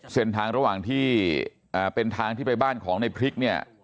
เส้นทางระหว่างที่เป็นทางที่ไปบ้านของในพริกเนี่ย